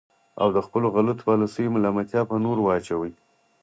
او د خپلو غلطو پالیسیو ملامتیا په نورو واچوي.